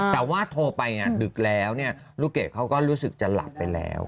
แต่ว่าโทรไปดึกแล้วลูกเกดเขาก็รู้สึกจะหลับไปแล้ว